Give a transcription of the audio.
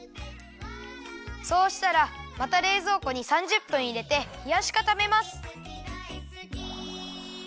そうしたらまたれいぞうこに３０分いれてひやしかためます。